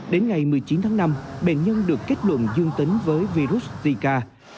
đến ngày một mươi chín tháng năm bệnh nhân được kết luận dương tính với virus zika